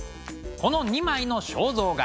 この２枚の肖像画